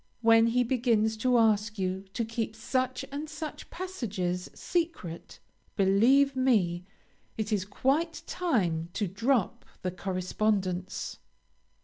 When he begins to ask you to keep such and such passages secret, believe me, it is quite time to drop the correspondence.